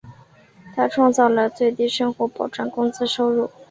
他创造了最低生活保障工资收入。